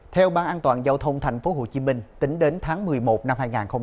theo ban an toàn giao thông tp hcm tính đến tháng một mươi một năm hai nghìn hai mươi ba